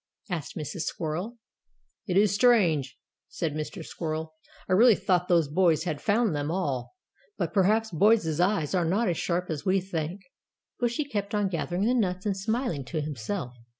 asked Mrs. Squirrel. "It is strange," said Mr. Squirrel. "I really thought those boys had found them all, but perhaps boys' eyes are not so sharp as we think." Bushy kept on gathering the nuts and smiling to himself.